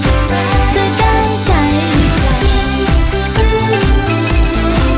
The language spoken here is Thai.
แต่ก็ยังรอข่าวรักคนเธอเป็นหลักไปหรือไหร่